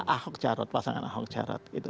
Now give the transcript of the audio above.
ahok jarot pasangan ahok jarot gitu